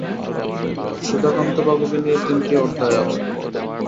সুধাকান্তবাবুকে নিয়ে তিনটি অধ্যায় আছে।